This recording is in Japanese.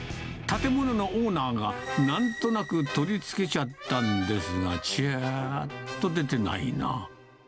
建物のオーナーが、なんとなく取り付けちゃったんですが、ちゃーっと出てないな。